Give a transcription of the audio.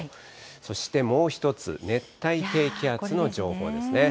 そしてもう１つ、熱帯低気圧の情報ですね。